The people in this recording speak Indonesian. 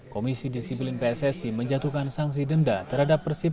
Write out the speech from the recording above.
komisi disiplin pssi menjatuhkan sanksi denda terhadap persib